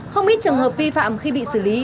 không ít trường hợp vi phạm khi bị xử lý